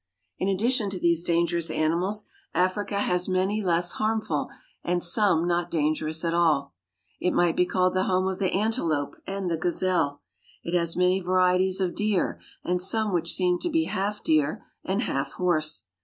^H^ In addition to these dangerous animals, Africa has many less harmful, and some not d;inijt^rous at all. It might be "The wildebeesl h; called the home of the antelope and the gazelle. It has many varieties of deer, and some which seem to be half deer and half horse.